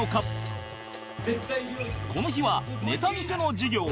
この日はネタ見せの授業